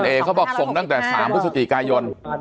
เขาบอกส่งตั้งแต่๓พฤศจิกายน